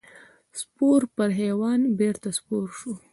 سپور پر حیوان بېرته سپور شو.